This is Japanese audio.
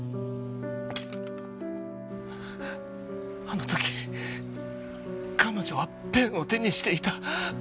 あの時彼女はペンを手にしていた。